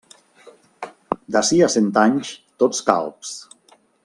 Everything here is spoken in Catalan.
D'ací a cent anys, tots calbs.